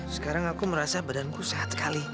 sekarang aku merasa badanku sehat sekali